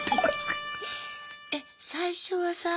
えっ最初はさ